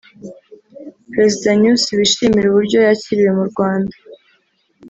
Perezida Nyusi wishimira uburyo yakiriwe mu Rwanda